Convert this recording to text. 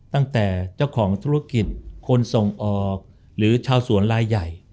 ตั้งแต่เจ้าของธุรกิจคนส่งออกหรือชาวสวนลายใหญ่